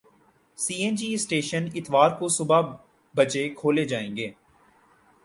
سی N G station اتوار کو صبح بجے کھولے جائیں گے